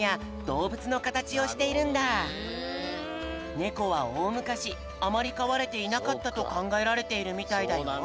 ねこはおおむかしあまりかわれていなかったとかんがえられているみたいだよ。